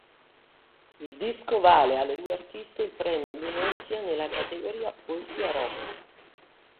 Il disco vale alle due artiste il Premio Lunezia nella categoria "Poesia Rock".